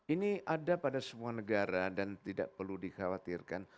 ini ada pada semua negara dan tidak perlu dikhawatirkan